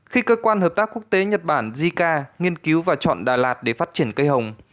khi cơ quan hợp tác quốc tế nhật bản jica nghiên cứu và chọn đà lạt để phát triển cây hồng